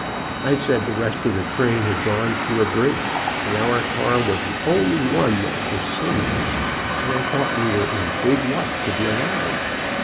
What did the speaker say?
"I said the rest of the train had gone through a bridge, and our car was the only one that was saved, and I thought we were in big luck to be alive.